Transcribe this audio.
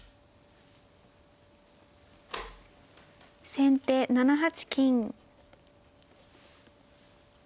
先手７八金。